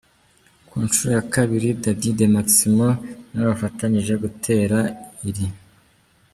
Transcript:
Ku nshuro ya kabiri, Dady de Maximo nabo bafatanyije gutera iri.